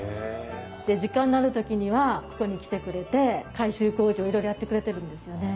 で時間のある時にはここに来てくれて改修工事をいろいろやってくれてるんですよね。